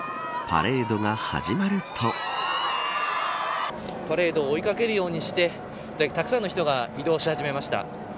パレードを追いかけるようにしてたくさんの人が移動し始めました。